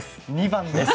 ２番です。